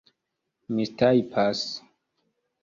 mistajpas